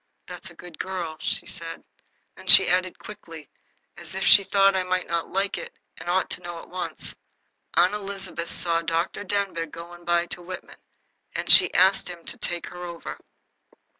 "That's a good girl!" said she. Then she added, quickly, as if she thought I might not like it and ought to know at once, "Aunt Elizabeth saw Dr. Denbigh going by to Whitman, and she asked him to take her over."